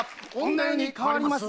女湯に変わります。